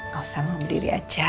gak usah mau berdiri aja